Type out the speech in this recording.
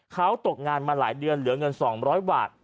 เขาตกงานมาหลายเดือนเหลือเงิน๒๐๐บาท